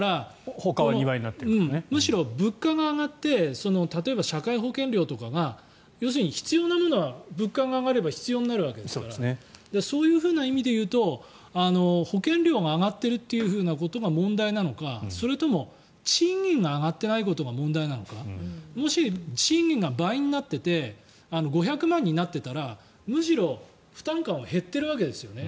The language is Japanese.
むしろ物価が上がって例えば、社会保険料とかが要するに必要なものは物価が上がれば必要になるわけですからそういうふうな意味で言うと保険料が上がっているということが問題なのかそれとも賃金が上がってないことが問題なのかもし賃金が倍になっていて５００万になっていたらむしろ負担感は減っているわけですよね。